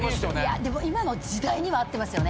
いやでも今の時代には合ってますよね。